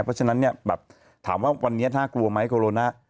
เพราะฉะนั้นเนี่ยแบบถามว่าวันนี้น่ากลัวไหมโคโรนา